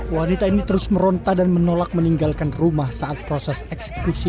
wanita ini terus meronta dan menolak meninggalkan rumah saat proses eksekusi